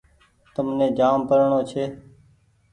تمني جآم پڙڻو ڇي۔